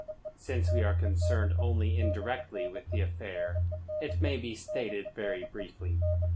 Since we are concerned only indirectly with the affair, it may be stated very briefly.